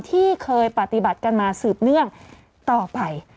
ที่เคยปฏิบัติกันมาสืบเนื่องต่อไป